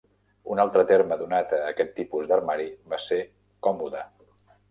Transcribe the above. Un altre terme donat a aquest tipus d'armari va ser còmoda.